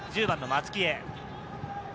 １０番の松木へ。